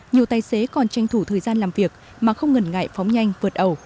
nhiều tài xế còn tranh thủ thời gian làm việc mà không ngần ngại phóng nhanh vượt ẩu